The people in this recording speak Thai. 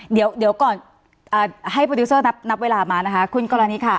เดี๋ยวก่อนให้โปรดิวเซอร์นับเวลามานะคะคุณกรณีค่ะ